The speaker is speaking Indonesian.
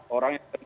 orang yang terkenal